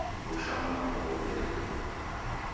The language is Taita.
Rusha mwana nguw'o rielie.